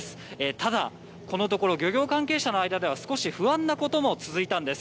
ただ、このところ、漁業関係者の間では、少し不安なことも続いたんです。